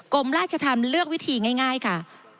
กรมราชธรรมเลือกวิธีง่ายค่ะ